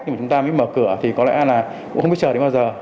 thì chúng ta mới mở cửa thì có lẽ là cũng không biết chờ đến bao giờ